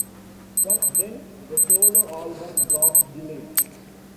But then the solo album got delayed.